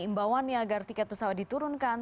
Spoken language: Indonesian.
imbauannya agar tiket pesawat diturunkan